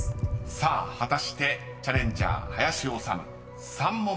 ［さあ果たしてチャレンジャー林修３問目取れるか］